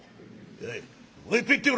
「やいもういっぺん言ってみろ。